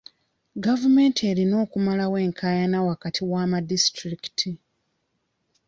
Gavumenti erina okumalawo enkaayana wakati w'amadisitulikiti.